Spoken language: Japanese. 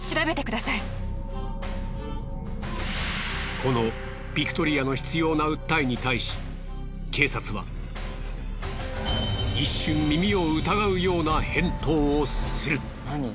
このビクトリアの執拗な訴えに対し警察は一瞬耳を疑うような返答をする。